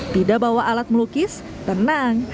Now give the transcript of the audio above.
tidak bawa alat melukis tenang